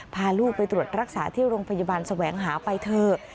พาลูกไปตรวจรักษาที่โรงพยาบาลแสวงหาไปเถอะ